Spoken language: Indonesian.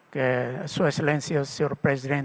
yang tuan dan tuan presiden